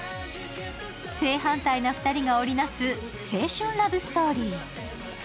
正反対な２人が織り成す青春ラブストーリー。